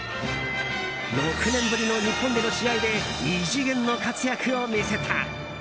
６年ぶりの日本での試合で異次元の活躍を見せた！